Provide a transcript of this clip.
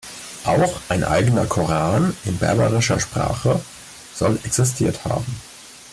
Auch ein eigener „Koran“ in berberischer Sprache soll existiert haben.